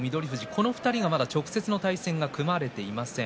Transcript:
この２人は直接の対戦がまだ組まれていません。